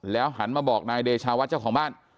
หันมาบอกนายเดชาวัดเจ้าของบ้าน